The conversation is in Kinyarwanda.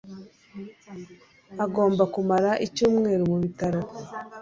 Agomba kumara icyumweru mu bitaro.